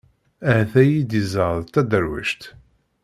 Ahat ad iyi-d-iẓer d taderwict.